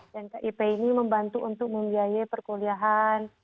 kip ini membantu untuk membiayai perkuliahan